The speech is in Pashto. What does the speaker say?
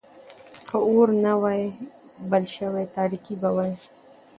که اور نه وای بل شوی، تاريکي به وای.